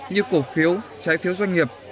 như cổ phiếu trái phiếu doanh nghiệp